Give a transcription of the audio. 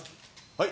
はい。